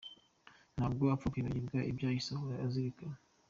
Ntabwo apfa kwibagirwa ibyahise ahora azirikana.